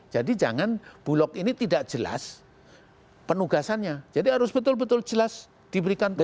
jadi jangan bulog ini tidak jelas penugasannya jadi harus betul betul jelas diberikan penugasan